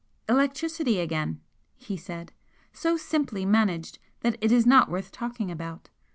"Electricity again!" he said "So simply managed that it is not worth talking about!